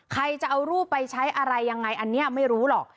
ใครจะเอารูปไปใช้อะไรยังไงอันนี้ไม่รู้หรอก